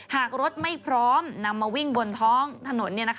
หากรถไม่พร้อมนำมาวิ่งบนท้องถนน